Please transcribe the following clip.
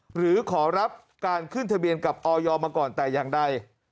หรือขอรับการขึ้นทะเบียนกับออยมาก่อนแต่อย่างใด